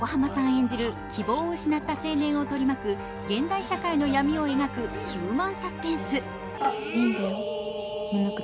演じる希望を失った青年を取り巻く現代社会の闇を描くヒューマンサスペンス。